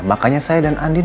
makanya saya dan andin